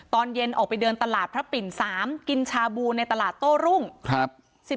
ตอนเย็นออกไปเดินตลาดพระปิ่น๓กินชาบูในตลาดโต้รุ่ง